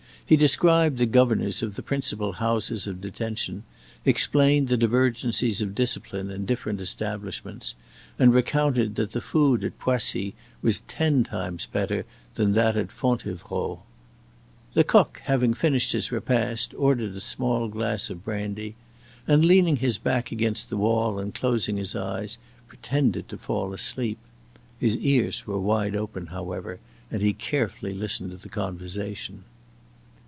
He described the governors of the principal houses of detention; explained the divergencies of discipline in different establishments; and recounted that the food at Poissy was ten times better than that at Fontevrault. Lecoq, having finished his repast, ordered a small glass of brandy, and, leaning his back against the wall and closing his eyes, pretended to fall asleep. His ears were wide open, however, and he carefully listened to the conversation.